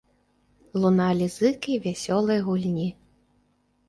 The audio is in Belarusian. Луналі зыкі вясёлай гульні.